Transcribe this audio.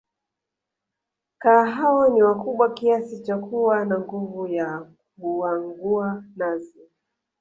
Kaa hao ni wakubwa Kiasi cha kuwa na nguvu ya kuangua nazi